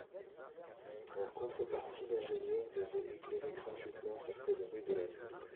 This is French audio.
En contrepartie, l'ingénieur devait éclairer gratuitement certaines rues de la ville.